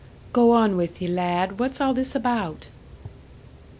"Go on with ye, lad what's all this about?"